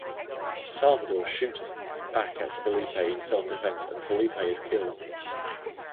Salvador shoots back at Felipe in self defense and Felipe is killed.